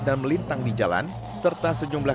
dan melintang di jalan serta sejumlah